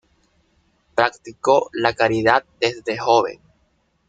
Practicó la caridad desde joven.